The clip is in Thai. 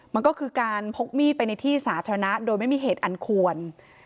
มันก็คือการพกมีดไปในที่สาธารณะโดยไม่มีเหตุอันควร